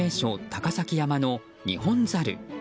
高崎山のニホンザル。